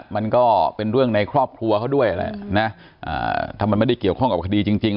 มันก็เป็นเรื่องในครอบครัวเขาด้วยนะถ้ามันไม่ได้เกี่ยวข้องกับคดีจริง